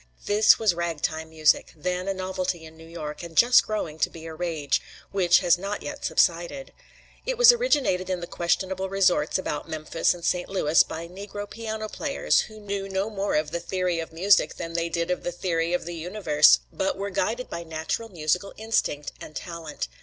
This was ragtime music, then a novelty in New York, and just growing to be a rage, which has not yet subsided. It was originated in the questionable resorts about Memphis and St. Louis by Negro piano players who knew no more of the theory of music than they did of the theory of the universe, but were guided by natural musical instinct and talent.